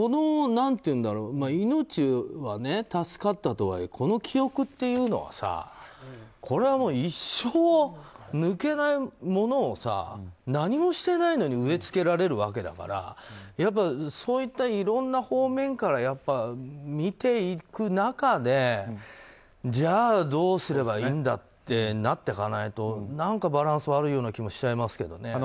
命は助かったとはいえこの記憶っていうのはこれは一生抜けないものを何もしてないのに植えつけられるわけだからそういったいろんな方面から見ていく中でじゃあ、どうすればいいんだってなっていかないと何かバランス悪いような気がしちゃいますけどね。